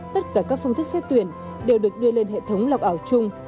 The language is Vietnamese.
tất cả các phương thức xét tuyển đều được đưa lên hệ thống lọc ảo chung